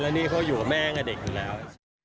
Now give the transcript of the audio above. นี่เขาอยู่กับแม่กับเด็กอยู่แล้ว